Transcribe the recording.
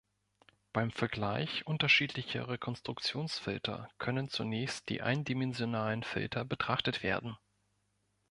Beim Vergleich unterschiedlicher Rekonstruktionsfilter können zunächst die eindimensionalen Filter betrachtet werden.